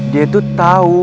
dia tuh tau